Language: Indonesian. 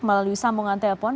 melalui sambungan telepon